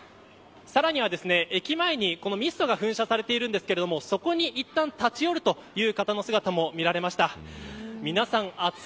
さらには駅前にミストが噴射されているんですがそこにいったん立ち寄るという方の姿も見られました。